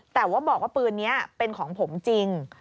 แต่ว่าบอกว่าปืนนี้เป็นของผมจริง